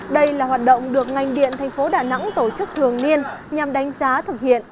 đây là hoạt động được ngành điện tp đà nẵng tổ chức thường niên nhằm đánh giá thực hiện